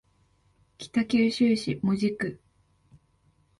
北九州市門司区